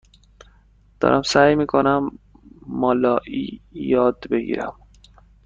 دارم سعی می کنم مالایی یاد بگیرم.